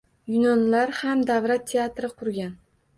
Yunonlar ham davra teatri qurgan